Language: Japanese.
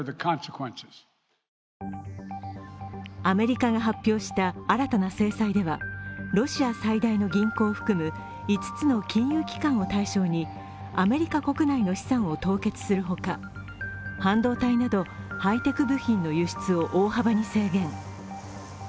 アメリカが発表した新たな制裁では、ロシア最大の銀行を含む５つの金融機関を対象にアメリカ国内の資産を凍結するほか半導体などハイテク部品の輸出を大幅に制限。